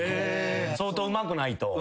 相当うまくないと。